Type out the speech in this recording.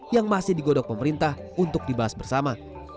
yang masih digodok pemerintah untuk dibahas bersama